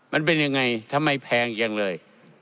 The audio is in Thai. มันเป็นยังไงทำไมแพงจังเลย